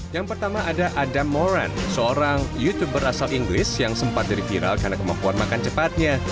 yang pertama ada adam moran seorang youtuber asal inggris yang sempat jadi viral karena kemampuan makan cepatnya